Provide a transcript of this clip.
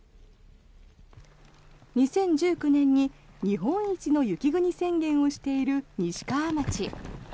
２０１９年に日本一の雪国宣言をしている西川町。